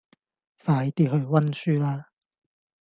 快啲去溫書啦